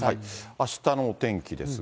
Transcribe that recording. あしたのお天気ですが。